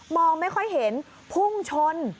องไม่ค่อยเห็นพุ่งชน